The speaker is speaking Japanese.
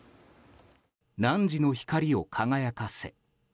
汝の光を輝かせ。